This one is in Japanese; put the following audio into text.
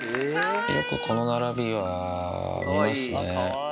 よくこの並びは見ますね。